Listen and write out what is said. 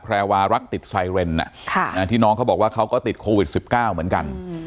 แรวารักติดไซเรนที่น้องเขาบอกว่าเขาก็ติดโควิด๑๙เหมือนกัน